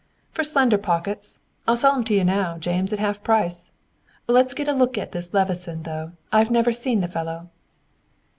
"For slender pockets. I'll sell 'em to you now, James, at half price. Let's get a look at this Levison, though. I have never seen the fellow."